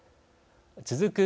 続く